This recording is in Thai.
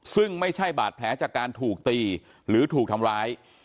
ซึ่งไม่ใช่บาดแผลจากการถูกตีหรือถูกทำร้าย